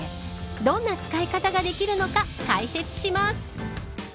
どんな使い方ができるのか解説します。